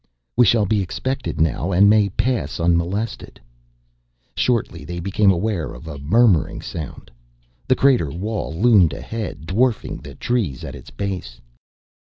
"We shall be expected now and may pass unmolested." Shortly they became aware of a murmuring sound. The crater wall loomed ahead, dwarfing the trees at its base.